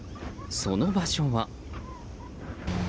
その場所は。